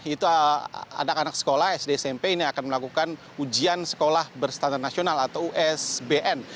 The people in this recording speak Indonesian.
itu anak anak sekolah sd smp ini akan melakukan ujian sekolah berstandar nasional atau usbn